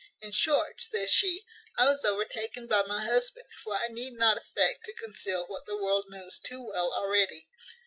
In short," says she, "I was overtaken by my husband (for I need not affect to conceal what the world knows too well already).